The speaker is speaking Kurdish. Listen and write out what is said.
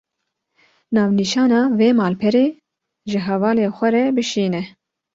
Navnîşana vê malperê, ji hevalê xwe re bişîne